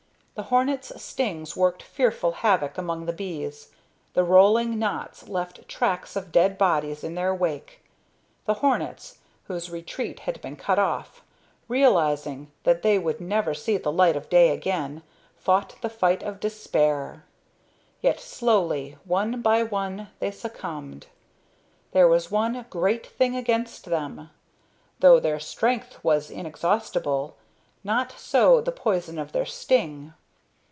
The hornets' stings worked fearful havoc among the bees. The rolling knots left tracks of dead bodies in their wake. The hornets, whose retreat had been cut off, realizing that they would never see the light of day again, fought the fight of despair. Yet, slowly, one by one, they succumbed. There was one great thing against them. Though their strength was inexhaustible, not so the poison of their sting.